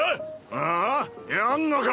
ああっ？やんのか？